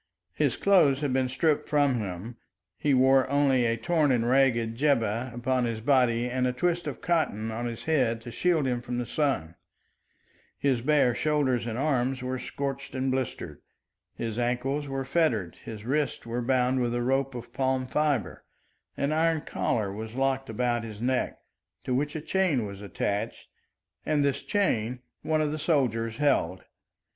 His clothes had been stripped from him; he wore only a torn and ragged jibbeh upon his body and a twist of cotton on his head to shield him from the sun. His bare shoulders and arms were scorched and blistered. His ankles were fettered, his wrists were bound with a rope of palm fibre, an iron collar was locked about his neck, to which a chain was attached, and this chain one of the soldiers held.